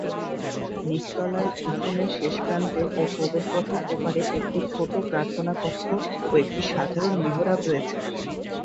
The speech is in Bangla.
নিচতলায়, উঠোনের শেষ প্রান্তে ও প্রবেশপথের ওপারে, একটি ছোট প্রার্থনা কক্ষ ও একটি সাধারণ মিহরাব রয়েছে।